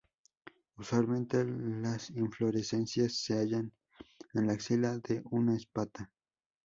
Usualmente las inflorescencias se hallan en la axila de una espata.